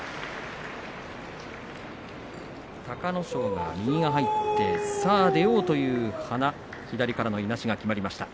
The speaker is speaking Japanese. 隆の勝、右が入ってさあ出ようというところ左からのいなしがきまりました。